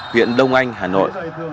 huyện đông anh hà nội